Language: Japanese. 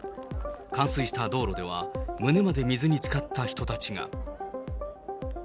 冠水した道路では、胸まで水につかった人たちが。